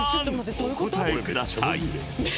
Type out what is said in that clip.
お答えください］